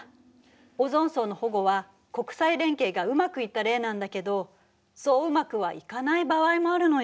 オゾン層の保護は国際連携がうまくいった例なんだけどそううまくはいかない場合もあるのよ。